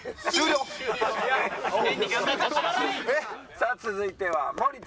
さあ続いては森田。